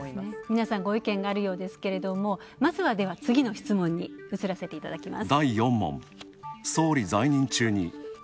皆さん、ご意見があるようですけどもでは次の質問に移らせていただきます。